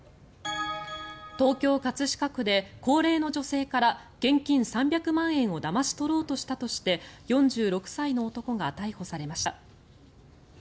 東京・葛飾区で高齢の女性から現金３００万円をだまし取ろうとしたとして４６歳の男が逮捕されました。